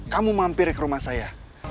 kamu mampir ke rumah saya